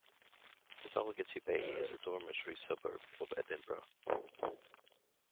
Dalgety Bay is a dormitory suburb of Edinburgh.